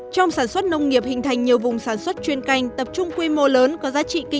trong sản xuất nông nghiệp hình thành nhiều vùng sản xuất chuyên canh tập trung quy mô lớn